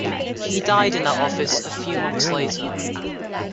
He died in that office a few months later.